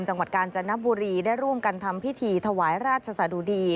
จังหวัดกาญจนบุรีได้ร่วมกันทำพิธีถวายราชสะดุดี